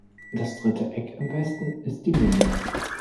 Das dritte Eck im Westen ist die Mündung.